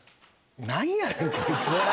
何やねんこいつ！